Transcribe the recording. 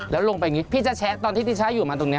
แล้วลงไปอย่างนี้พี่จะแชะตอนที่ที่ฉันอยู่มาตรงนี้